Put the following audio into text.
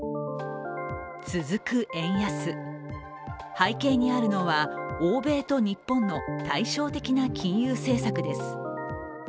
背景にあるのは欧米と日本の対照的な金融政策です。